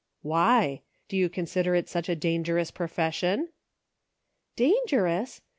" Why .* Do you consider it such a dangerous profession .'"" Dangerous